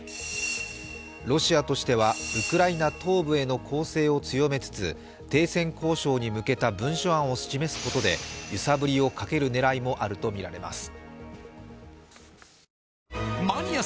ロシアとしてはウクライナ東部への攻勢を強めつつ停戦交渉に向けた文書案を示すことで日本政府による極めて異例の措置です。